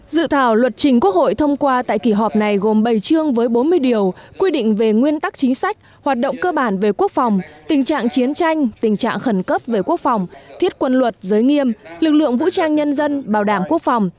dự thảo luật trình quốc hội thông qua tại kỳ họp này gồm bảy chương với bốn mươi điều quy định về nguyên tắc chính sách hoạt động cơ bản về quốc phòng tình trạng chiến tranh tình trạng khẩn cấp về quốc phòng thiết quân luật giới nghiêm lực lượng vũ trang nhân dân bảo đảm quốc phòng